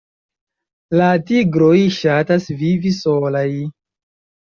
La tigroj ŝatas vivi solaj.